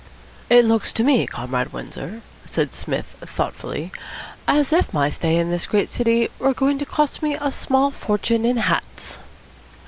"It looks to me, Comrade Windsor," said Psmith thoughtfully, "as if my stay in this great city were going to cost me a small fortune in hats."